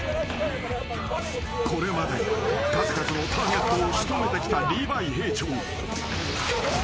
これまで、数々のターゲットを仕留めてきたリヴァイ兵長。